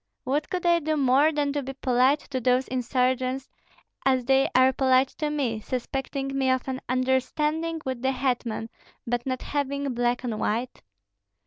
What could I do more than to be polite to those insurgents, as they are polite to me, suspecting me of an understanding with the hetman, but not having black on white?"